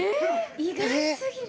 意外すぎる。